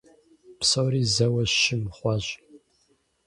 Псори зэуэ щым хъуащ.